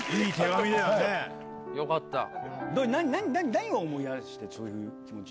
何を思い出してそういう気持ちに。